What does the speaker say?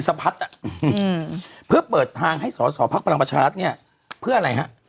สะพัดปือเปิดทางให้ส่วนผลักประชาชน์เนี่ยเพื่ออะไรฮะ